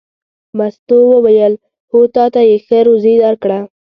مستو وویل: هو تا ته یې ښه روزي درکړه.